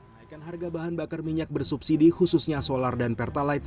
naikan harga bahan bakar minyak bersubsidi khususnya solar dan pertalite